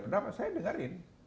pendapat saya dengarin